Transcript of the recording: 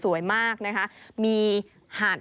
สถานที่ท่องเที่ยวสวยมากนะคะ